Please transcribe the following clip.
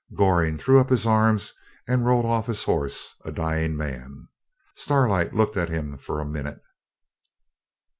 Goring threw up his arms, and rolled off his horse a dying man. Starlight looked at him for a minute.